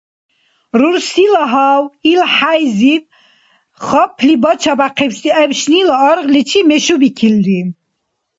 Рурсила гьав илхӀяйзиб хапли бача-бяхъибси гӀебшнила аргъличи мешубикилри.